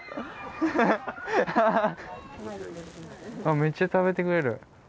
めっちゃ食べてくれる。